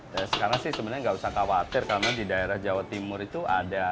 dari sekarang sih sebenarnya nggak usah khawatir karena di daerah jawa timur itu ada